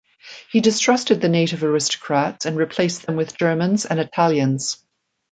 He distrusted the native aristocrats and replaced them with Germans and Italians.